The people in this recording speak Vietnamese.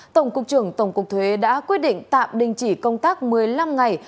tổng cục trưởng tổng cục thuế đã quyết định tạm đình chỉ công tác một mươi năm ngày